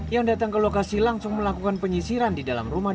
yang datang ke lokasi langsung melakukan penyisiran di dalam rumah